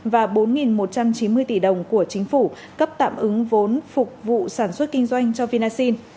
và bốn một trăm chín mươi tỷ đồng của chính phủ cấp tạm ứng vốn phục vụ sản xuất kinh doanh cho vinasin